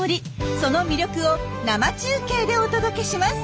その魅力を生中継でお届けします。